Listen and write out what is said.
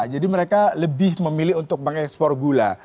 jadi mereka lebih memilih untuk mengekspor gula